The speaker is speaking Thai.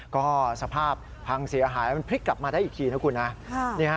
ก็สภาพพังเสียหายมันพลิกกลับมาได้อีกทีนะคุณนะ